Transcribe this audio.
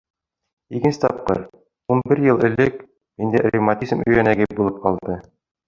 Икенсе тапҡыр, үн бер йыл элек, миндә ревматизм өйәнәге булып алды.